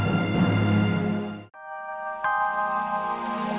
kau yang buat semuanya